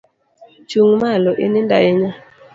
Chung malo , inindo ahinya